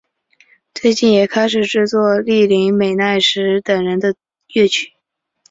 最近也开始制作栗林美奈实等人的乐曲。